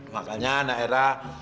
makanya anak erak